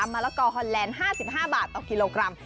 มะละกอฮอนแลนด์๕๕บาทต่อกิโลกรัม